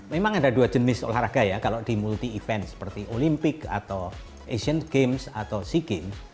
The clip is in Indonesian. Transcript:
memang ada dua jenis olahraga ya kalau di multi event seperti olimpik atau asian games atau sea games